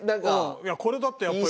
いやこれだってやっぱ。